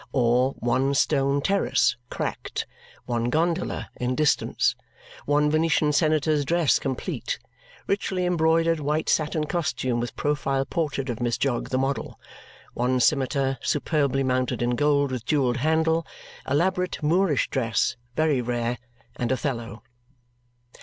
Or "One stone terrace (cracked), one gondola in distance, one Venetian senator's dress complete, richly embroidered white satin costume with profile portrait of Miss Jogg the model, one Scimitar superbly mounted in gold with jewelled handle, elaborate Moorish dress (very rare), and Othello."